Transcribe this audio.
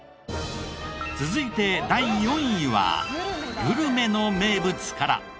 続いて第４位はグルメの名物から。